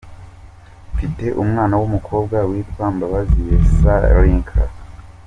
Mfite umwana w’umukobwa witwa Mbabazi Yessah Linca.